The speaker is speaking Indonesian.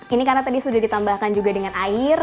ini karena tadi sudah ditambahkan juga dengan air